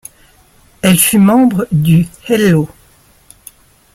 Elle fut membre du Hello!